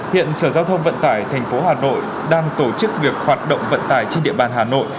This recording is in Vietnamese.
hiện sở giao thông vận tải tp hà nội đang tổ chức việc hoạt động vận tải trên địa bàn hà nội